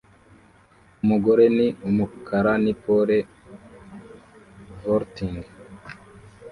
Umugore ni umukara ni pole vaulting